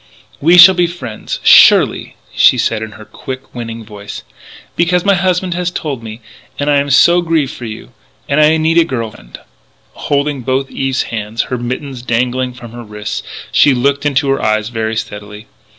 "We shall be friends, surely," she said in her quick, winning voice; "because my husband has told me and I am so grieved for you and I need a girl friend " Holding both Eve's hands, her mittens dangling from her wrist, she looked into her eyes very steadily.